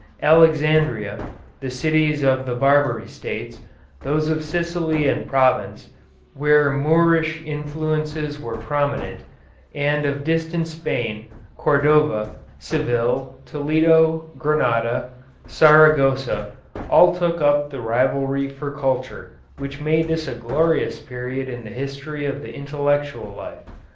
Alexandria, the cities of the Barbary States, those of Sicily and Provence, where Moorish influences were prominent, and of distant Spain, Cordova, Seville, Toledo, Granada, Saragossa, all took up the rivalry for culture which made this a glorious period in the history of the intellectual life.